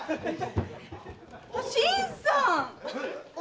あ新さん！